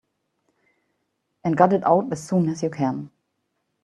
And got it out as soon as you can.